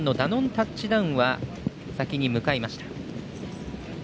タッチダウンは先に向かいました。